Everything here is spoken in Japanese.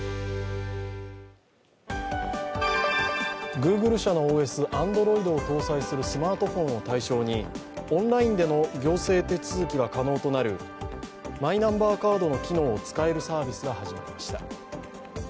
Ｇｏｏｇｌｅ社のＯＳ、Ａｎｄｒｏｉｄを搭載するスマートフォンを対象にオンラインでの行政手続きが可能となるマイナンバーカードの機能を使えるサービスが始まりました。